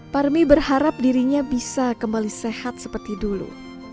parmi berharap dirinya bisa kembali sehat seperti dulu